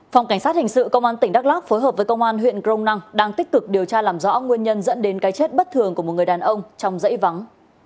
phòng cảnh sát hình sự công an tỉnh đắk lắc phối hợp với công an huyện crong năng đang tích cực điều tra làm rõ nguyên nhân dẫn đến cái chết bất thường của một người đàn ông trong dãy vắng